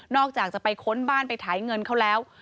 อกจากจะไปค้นบ้านไปถ่ายเงินเขาแล้ว